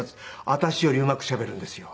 私よりうまくしゃべるんですよ。